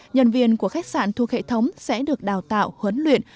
nhân viên của khách sạn thuộc hệ thống sẽ được đào tạo huấn luyện